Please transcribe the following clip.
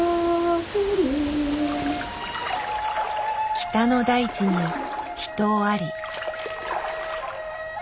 北の大地に秘湯あり。